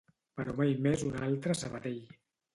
Però mai més una altra a Sabadell.